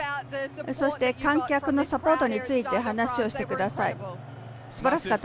そして観客のサポートについて話をしてください。